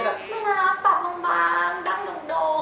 แบบไม่รักปากบางดังโดง